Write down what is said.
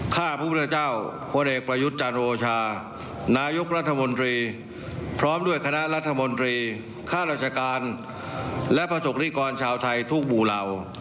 ข้าผู้ประเจ้าพวกเหตุประยุทธจันโวชาบัติรัฐราชมนตรีรัฐมนตรีพร้อมด้วยคณะรัฐมนตรีข้ารัฐการและประสุทธิกรชาวไทยทุกบู่เหล่า